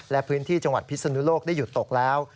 และพื้นที่จังหวัดพิศนุโลกได้หยุดตกแล้ว